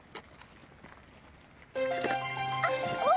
あっ！